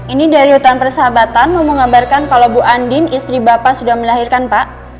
ini dari hutan persahabatan mau mengabarkan kalau bu andin istri bapak sudah melahirkan pak